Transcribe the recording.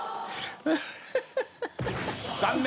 残念。